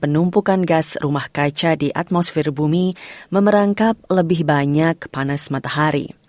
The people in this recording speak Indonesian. dari atmosfer untuk mencapai